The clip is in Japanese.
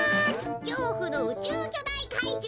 きょうふのうちゅうきょだいかいじゅう